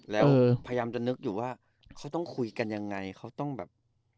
แล้วพยายามจะนึกอยู่ว่าเขาต้องคุยกันยังไงเขาต้องแบบ